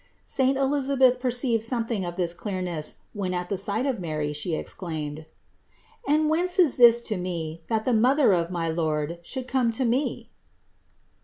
169. Saint Elisabeth perceived something of this clear ness, when at the sight of Mary she exclaimed: "And whence is this to me, that the Mother of my Lord should come to me